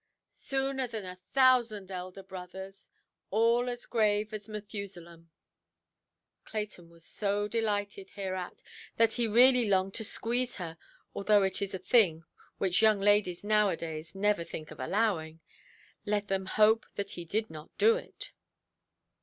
"Sooner than a thousand elder brothers, all as grave as Methusalem". Clayton was so delighted hereat, that he really longed to squeeze her, although it is a thing which young ladies now–a–days never think of allowing. Let them hope that he did not do it.